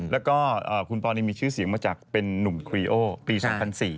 แล้วก็คุณปอนี่มีชื่อเสียงมาจากเป็นนุ่มครีโอปี๒๐๐๔